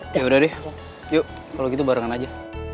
yaudah deh yuk kalo gitu barengan aja